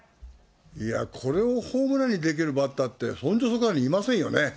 いや、これをホームランにできるバッターって、本当そこらにいませんよね。